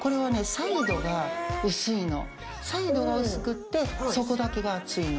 サイドが薄くって底だけが厚いの。